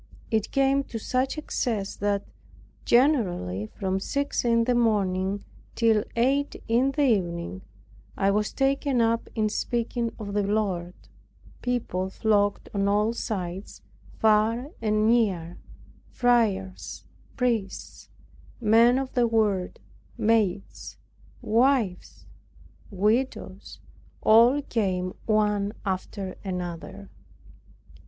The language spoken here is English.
It came to such excess, that, generally from six in the morning till eight in the evening, I was taken up in speaking of the Lord. People flocked on all sides, far and near, friars, priests, men of the world, maids, wives, widows, all came one after another.